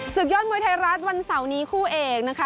ศึกยอดมวยไทยรัฐวันเสาร์นี้คู่เอกนะคะ